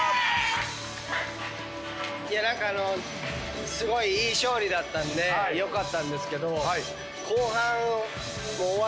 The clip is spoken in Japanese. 何かすごいいい勝利だったんでよかったんですけど後半終わる間際ですかね。